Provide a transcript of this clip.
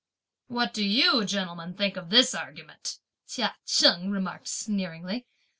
"What do you, gentlemen, think of this argument?" Chia Cheng remarked sneeringly.